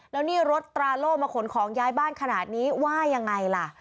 แล้วนี่รถตราโล่มาขนของย้ายบ้านขนาดนี้ว่ายังไงล่ะ